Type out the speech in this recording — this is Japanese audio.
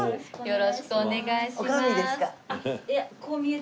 よろしくお願いします。